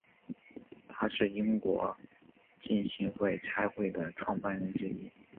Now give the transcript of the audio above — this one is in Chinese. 他是英国浸信会差会的创办人之一。